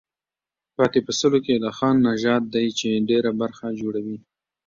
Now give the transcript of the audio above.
پاتې په سلو کې د خان نژاد دی چې ډېره برخه جوړوي.